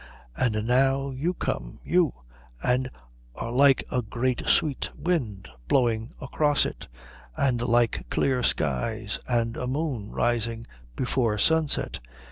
And now you come, you, and are like a great sweet wind blowing across it, and like clear skies, and a moon rising before sunset.